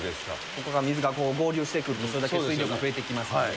そこが水が合流していく、水の水量が増えてきますので。